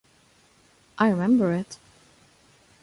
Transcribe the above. I remember it.